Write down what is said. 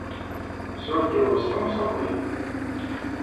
Всё делалось само собой.